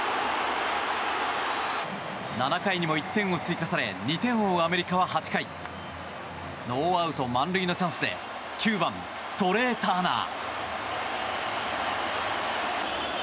７回にも１点を追加され２点を追うアメリカは８回ノーアウト満塁のチャンスで９番、トレー・ターナー。